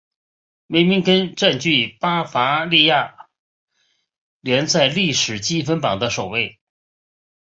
梅明根占据巴伐利亚联赛历史积分榜的首位。